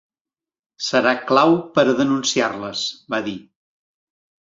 Serà clau per a denunciar-les, va dir.